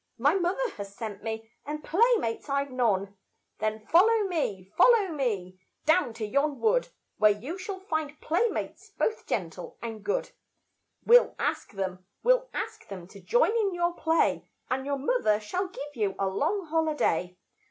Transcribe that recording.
My mother has sent me, and playmates I've none. Then follow me, follow me, down to yon wood, Where you shall find playmates both gentle and good; We'll ask them, we'll ask them to join in your play, And your mother shall give you a long holiday.